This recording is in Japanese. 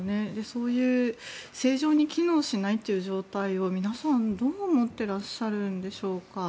そういう正常に機能しないという状態を皆さんどう思っているんでしょうか。